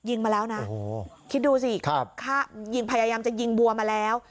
ยิงมาแล้วนะคิดดูสิพยายามจะยิงบัวมาแล้ว